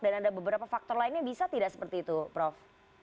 dan ada beberapa faktor lainnya bisa tidak seperti itu prof